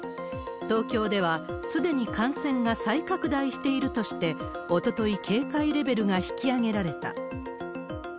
東京ではすでに感染が再拡大しているとして、おととい、警戒レベルが引き上げられた。